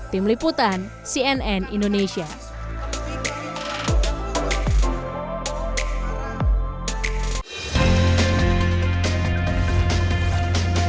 tim liputan cnn indonesia